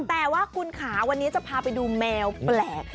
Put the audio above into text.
แต่ว่าคุณค่ะวันนี้จะพาไปดูแมวแปลก